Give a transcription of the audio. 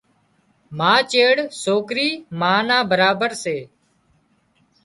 ما چيڙ سوڪرِي ما نا برابر سي